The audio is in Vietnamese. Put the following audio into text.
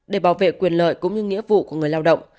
để bảo vệ quyền lợi cũng như nghĩa vụ của người lao động